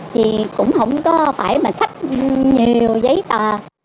thì cũng không có phải mà sách nhiều giấy tờ